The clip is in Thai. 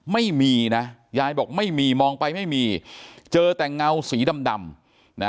ไม่มีนะยายบอกไม่มีมองไปไม่มีเจอแต่เงาสีดำดำนะ